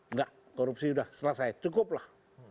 nggak korupsi udah selesai cukuplah